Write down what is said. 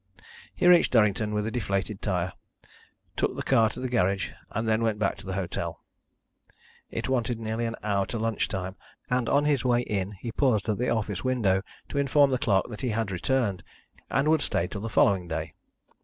He reached Durrington with a deflated tyre, took the car to the garage, and then went back to the hotel. It wanted nearly an hour to lunch time, and on his way in he paused at the office window to inform the clerk that he had returned, and would stay till the following day.